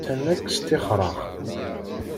Atan ad k-ssextireɣ.